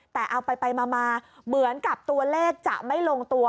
แต่เอาไปมาเหมือนกับตัวเลขจะไม่ลงตัว